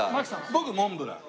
僕モンブラン。